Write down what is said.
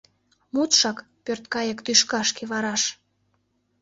Мутшак — пӧрткайык тӱшкашке вараш.